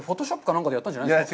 なんかでやったんじゃないですか。